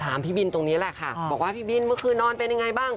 พี่บินตรงนี้แหละค่ะบอกว่าพี่บินเมื่อคืนนอนเป็นยังไงบ้าง